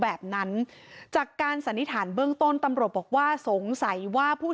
แบบนั้นจากการสันนิษฐานเบื้องต้นตำรวจบอกว่าสงสัยว่าผู้